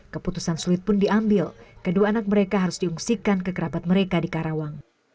keputusan sulit pun diambil kedua anak mereka harus diungsikan ke kerabat mereka di karawang